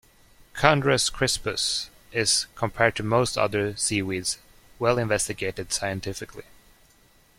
"Chondrus crispus" is, compared to most other seaweeds, well-investigated scientifically.